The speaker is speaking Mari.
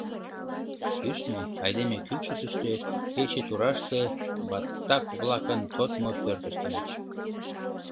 Кӱшнӧ, айдеме кӱкшытыштӧ, пече тураште баттак-влакын тодмо пӧртышт ыльыч.